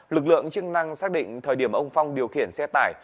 lực lượng chức năng xác định thời điểm ông phong điều khiển xe tải